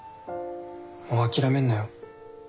もう諦めんなよ